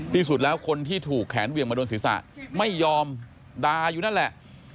ที่สุดแล้วคนที่ถูกแขนเหวี่ยงมาโดนศีรษะไม่ยอมดาอยู่นั่นแหละ